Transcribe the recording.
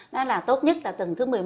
đó là tốt nhất là tuần thứ một mươi một